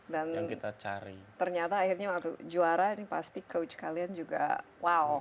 dan ternyata akhirnya waktu juara ini pasti coach kalian juga wow